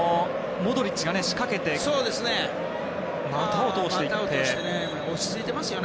モドリッチが仕掛けて股を通していって。